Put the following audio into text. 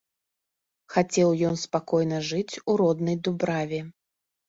Хацеў ён спакойна жыць у роднай дубраве.